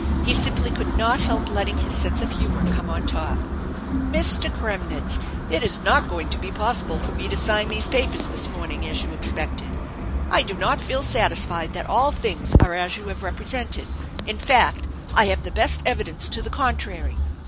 He simply could not help letting his sense of humor come on top. " Mr. Kremnitz, it is not going to be possible for me to sign these papers this morning, as you' expected. I do not feel satisfied that all things are as you have represented. In fact, I have the best evidence to the Contrary.